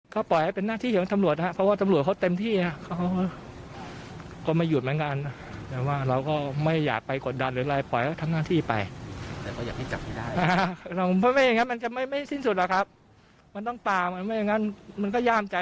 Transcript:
เคสก่อนก็ใกล้วันสถาปนา